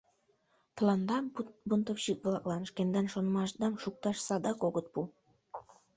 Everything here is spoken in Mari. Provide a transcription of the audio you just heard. Тыланда, бунтовщик-влаклан, шкендан шонымашдам шукташ садак огыт пу!..